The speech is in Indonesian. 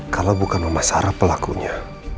kalau bukan sama sarah pelakunya